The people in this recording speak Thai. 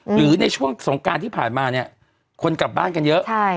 หรือในช่วงสงการที่ผ่านมาเนี่ยคนกลับบ้านกันเยอะ